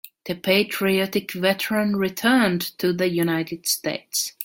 The patriotic veteran returned to the United States.